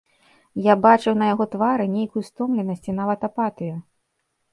Я бачыў на яго твары нейкую стомленасць і нават апатыю.